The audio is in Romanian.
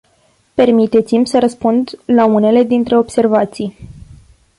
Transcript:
Permiteți-mi să răspund la unele dintre observații.